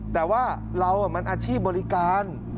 แต่ว่าเรามันอาชีพบริการ